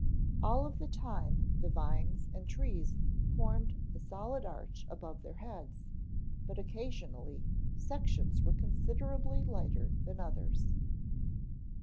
All of the time the vines and trees formed the solid arch above their heads, but occasionally sections were considerably lighter than others.